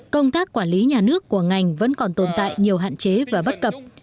công tác quản lý nhà nước của ngành vẫn còn tồn tại nhiều hạn chế và bất cập